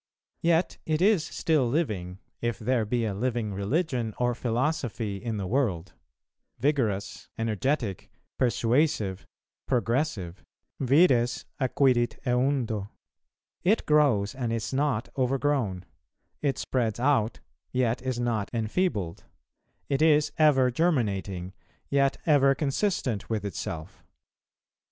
Yet it is still living, if there be a living religion or philosophy in the world; vigorous, energetic, persuasive, progressive; vires acquirit eundo; it grows and is not overgrown; it spreads out, yet is not enfeebled; it is ever germinating, yet ever consistent with itself.